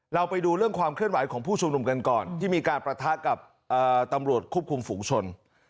เราไปดูเรื่องความเคลื่อนไหวของผู้ชุมนุมกันก่อนที่มีการประทะกับตำรวจควบคุมฝูงชน